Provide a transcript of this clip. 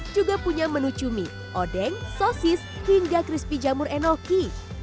juga punya menu cumi odeng sosis hingga crispy jamur enoki